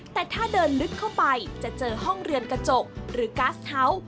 แต่ถ้าเดินลึกเข้าไปจะเจอห้องเรียนกระจกหรือก๊าซเฮาส์